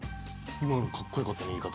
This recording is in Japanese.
今のかっこよかったな言い方。